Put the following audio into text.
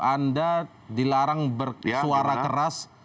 anda dilarang bersuara keras